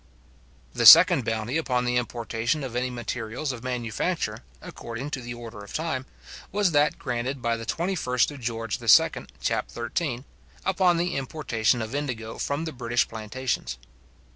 The second bounty upon the importation of any of the materials of manufacture, according to the order of time, was that granted by the 21st Geo. II. chap.30, upon the importation of indigo from the British plantations.